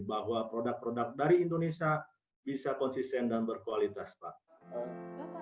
bahwa produk produk dari indonesia bisa konsisten dan berkualitas pak